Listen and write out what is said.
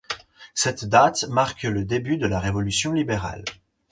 Cette date marque le début de la Révolution libérale.